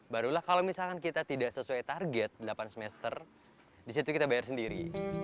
barulah kalau misalkan kita tidak sesuai target delapan semester disitu kita bayar sendiri